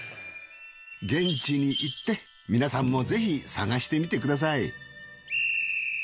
現地に行って皆さんもぜひ探してみてください。